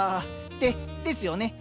でですよね。